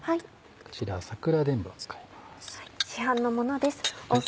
こちら桜でんぶを使います。